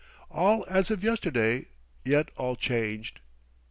All as of yesterday; yet all changed.